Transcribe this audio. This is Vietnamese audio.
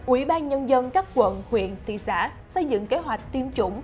ủy ban nhân dân các quận huyện thị xã xây dựng kế hoạch tiêm chủng